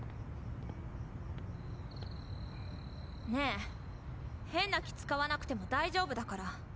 ねぇ変な気つかわなくても大丈夫だから。